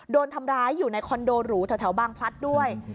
โดนทำร้ายอยู่ในคอนโดหรูแถวบางพลัดด้วย